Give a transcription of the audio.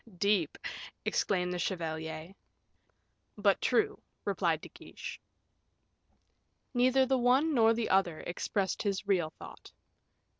deep!" exclaimed the chevalier. "But true," replied De Guiche. Neither the one nor the other expressed his real thought.